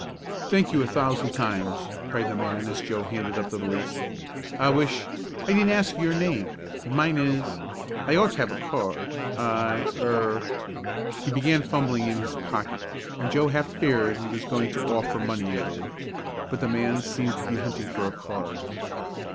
"Thank you a thousand times!" cried the man as Joe handed up the valise. "I wish I didn't ask your name mine is I ought to have a card I er " he began fumbling in his pocket, and Joe half feared he was going to offer money again. But the man seemed to be hunting for a card.